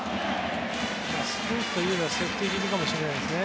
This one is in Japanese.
スクイズというよりはセーフティー気味かもしれないですね。